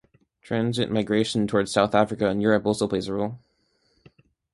Transit migration towards South Africa and Europe also plays a role.